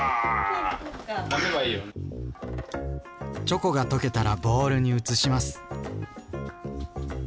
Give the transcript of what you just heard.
チョコが溶けたらボウルに移します。